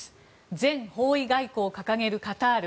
全方位外交掲げるカタール。